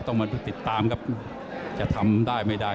ต้องมาติดตามจะทำได้หรือไม่ได้